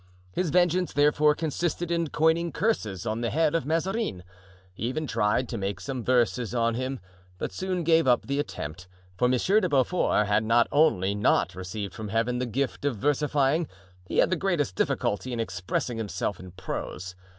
His vengeance, therefore, consisted in coining curses on the head of Mazarin; he even tried to make some verses on him, but soon gave up the attempt, for Monsieur de Beaufort had not only not received from Heaven the gift of versifying, he had the greatest difficulty in expressing himself in prose.